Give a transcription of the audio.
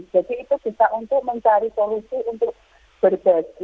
jadi itu bisa untuk mencari solusi untuk berbagi